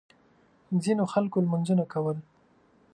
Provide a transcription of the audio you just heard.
ځینو خلکو لمونځونه کول.